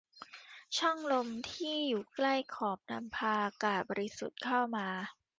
ช่องลมที่อยู่ใกล้ขอบนำพาอากาศบริสุทธิ์เข้ามา